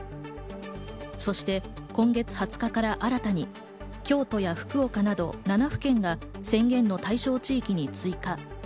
そして今月２０日から新たに京都や福岡など７府県が宣言の対象地域に追加。